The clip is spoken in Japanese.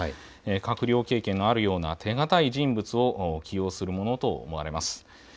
閣僚経験のあるような手堅い人物を起用するものと思われます。